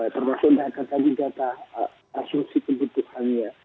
termasuk data data asursi kebutuhannya